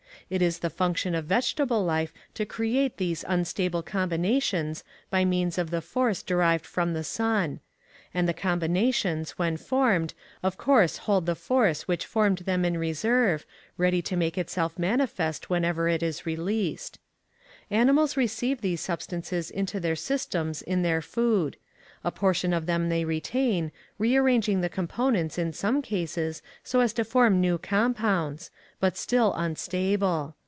_ It is the function of vegetable life to create these unstable combinations by means of the force derived from the sun; and the combinations, when formed, of course hold the force which formed them in reserve, ready to make itself manifest whenever it is released. Animals receive these substances into their systems in their food. A portion of them they retain, re arranging the components in some cases so as to form new compounds, but still unstable.